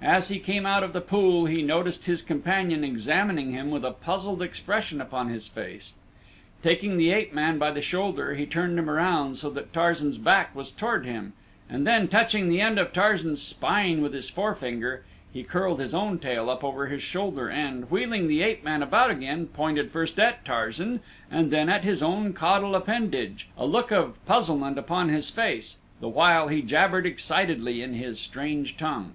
As he came out of the pool he noticed his companion examining him with a puzzled expression upon his face. Taking the ape man by the shoulder he turned him around so that Tarzan's back was toward him and then, touching the end of Tarzan's spine with his forefinger, he curled his own tail up over his shoulder and, wheeling the ape man about again, pointed first at Tarzan and then at his own caudal appendage, a look of puzzlement upon his face, the while he jabbered excitedly in his strange tongue.